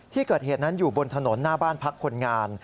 ที่เกิดเหตุนั้นอยู่บนถนนหน้าบ้านพักคนงาน